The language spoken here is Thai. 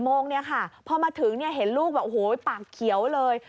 ๔โมงพอมาถึงเห็นลูกปากเขียวเลย